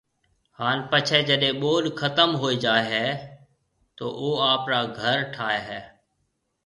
ھان پڇيَ جڏَي ٻوڏ ختم ھوئيَ جائيَ ھيََََ تو او آپرا گھر ٺائيَ ھيََََ